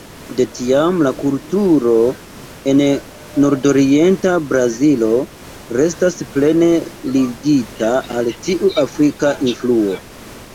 De tiam la kulturo en Nordorienta Brazilo restas plene ligita al tiu afrika influo.